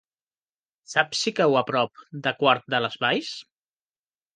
Saps si cau a prop de Quart de les Valls?